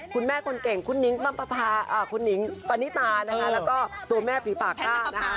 คุณแม่คนเก่งคุณนิ้งปะพาคุณนิ้งปะนิตาแล้วก็ตัวแม่ฝีปากก้า